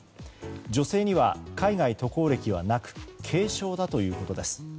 女性には海外渡航歴はなく軽症だということです。